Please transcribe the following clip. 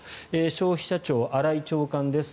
消費者庁、新井長官です。